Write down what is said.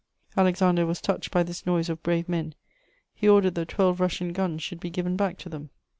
Alexander was touched by this noise of brave men: he ordered that twelve Russian guns should be given back to them.